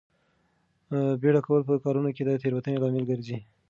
بیړه کول په کارونو کې د تېروتنې لامل ګرځي.